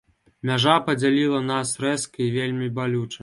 Мяжа падзяліла нас рэзка і вельмі балюча.